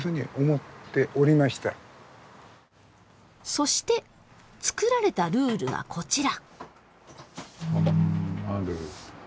そして作られたルールがこちら。